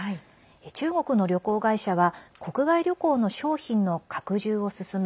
中国の旅行会社は国外旅行の商品の拡充を進め